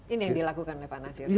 ini yang dilakukan oleh pak nasir